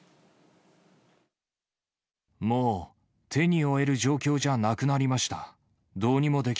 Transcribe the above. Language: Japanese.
もう、手に負える状況じゃなくなりました。